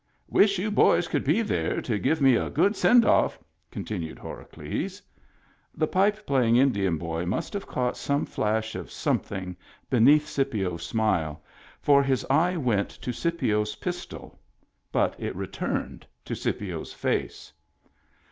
" Wish you boys could be there to give me a good send off," continued Horacles. The pipe pla3dng Indian boy must have caught some flash of something beneath Scipio's smile, for his eye went to Scipio's pistol — but it returned to Scipio's face.